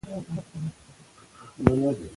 که ګروپ وي نو کار نه سختیږي.